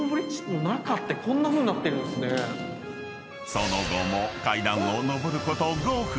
［その後も階段を上ること５分］